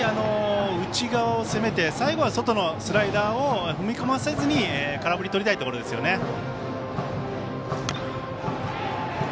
内側を攻めて最後は外のスライダーを踏み込ませずに空振りをとりたいところですよね。